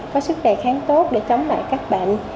có sức đề kháng tốt để chống lại các bệnh